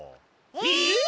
えっ！？